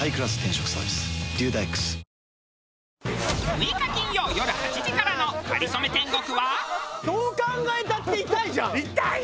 ６日金曜よる８時からの『かりそめ天国』は。